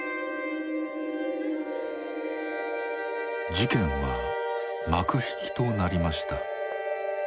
事件は幕引きとなりました。